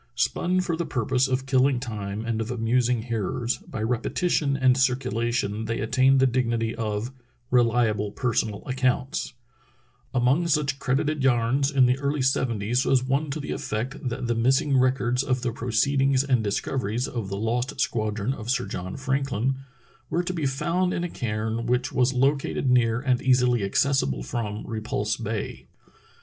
Spun for the pur pose of killing time and of amusing hearers, by repetition and circulation they attain the dignity of "reHable personal accounts," Among such credited "yarns" in the early seventies was one to the effect that the missing records of the proceedings and dis coveries of the lost squadron of Sir John Franklin were to be found in a cairn which was located near and easily accessible from Repulse Bay.